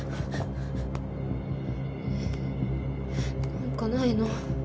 何かないの？